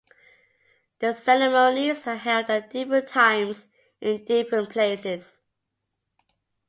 The ceremonies are held at different times in different places.